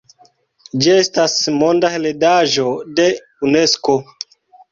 Ĝi estas Monda heredaĵo de Unesko.